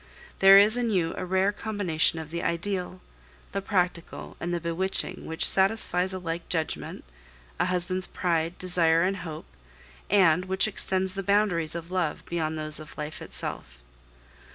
There is in you a rare combination of the ideal, the practical, and the bewitching which satisfies alike judgment, a husband's pride, desire, and hope, and which extends the boundaries of love beyond those of life itself.